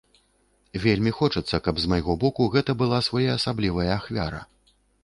Вельмі хочацца, каб з майго боку гэта была своеасаблівая ахвяра.